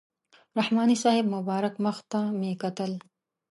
رحماني صاحب مبارک مخ ته مې کتل.